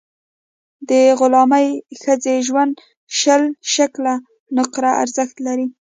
د غلامي ښځې ژوند شل شِکِل نقره ارزښت لري.